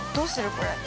これ。